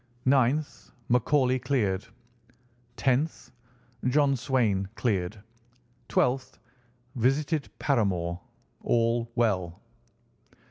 "9th. McCauley cleared. "10th. John Swain cleared. "12th. Visited Paramore. All well."